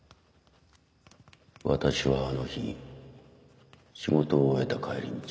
「私はあの日仕事を終えた帰り道」。